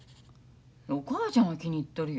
お母ちゃんは気に入っとるよ。